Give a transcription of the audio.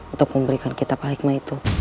untuk menulis kitab al hikmah